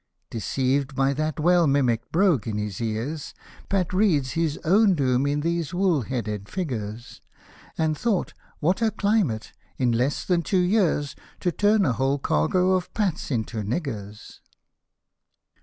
" Deceived by that well mimicked brogue in his ears, Pat read his own doom in these wool headed figures. And thought, what a climate, in less than two years, To tuYViAi whole cargo of Pats into niggers